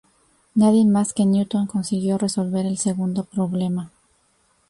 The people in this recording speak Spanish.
Nadie más que Newton consiguió resolver el segundo problema.